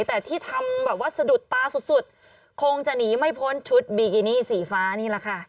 แต่ที่ทำแบบว่าสะดุดตาสุดคงจะหนีไม่พ้นชุดบีกินี่สีฟ้านี่แหละค่ะ